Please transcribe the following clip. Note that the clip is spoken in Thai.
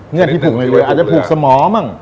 เลือดที่ผูกในเรืออาจจะผูกสมองั่ง